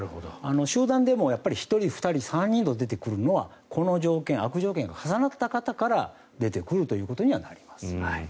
集団でも１人、２人、３人と出てくるのはこの条件、悪条件が重なった方から出てくるということにはなります。